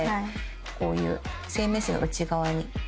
こういう生命線の内側に。